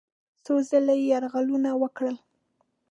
څو ځله یې یرغلونه وکړل.